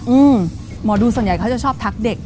อืมหมอดูส่วนใหญ่เขาจะชอบทักเด็ก